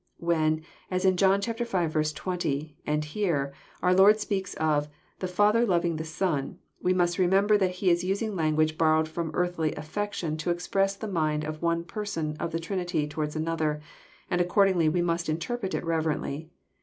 When, as in John v. 20, and here, our Lord speaks of " the Father loviug the Son," we must remember that He is using language borrowed from earthly afi'ection to express the mind of one Person of the Trinity towards another, and accordingly we must interpret it reverently.